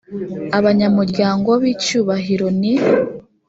abanyamuryango b icyubahiro ni